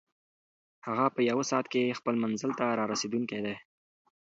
هغه په یوه ساعت کې خپل منزل ته رارسېدونکی دی.